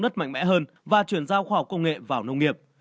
đất mạnh mẽ hơn và chuyển giao khoa học công nghệ vào nông nghiệp